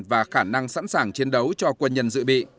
và khả năng sẵn sàng chiến đấu cho quân nhân dự bị